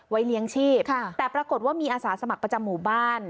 เลี้ยงชีพแต่ปรากฏว่ามีอาสาสมัครประจำหมู่บ้าน